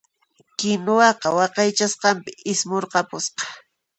Kinuwaqa waqaychasqanpi ismurqapusqa.